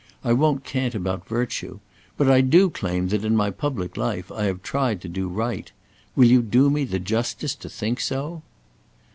I won't cant about virtue. But I do claim that in my public life I have tried to do right. Will you do me the justice to think so?"